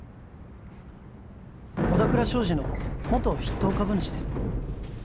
小田倉商事の元筆頭株主です